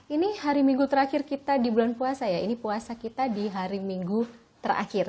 ini hari minggu terakhir kita di bulan puasa ya ini puasa kita di hari minggu terakhir